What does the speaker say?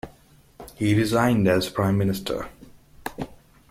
He resigned as prime minister.